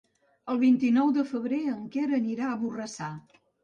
El vint-i-nou de febrer en Quer anirà a Borrassà.